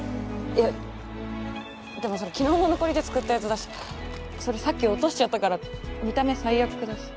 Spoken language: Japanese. いやでもそれ昨日の残りで作ったやつだしそれさっき落としちゃったから見た目最悪だし。